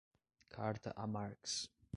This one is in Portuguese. Carta a Marx